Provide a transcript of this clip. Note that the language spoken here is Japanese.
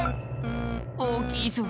おおきいぞ。